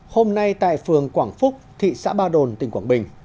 hôm nay tại phường quảng phúc thị xã ba đồn tỉnh quảng bình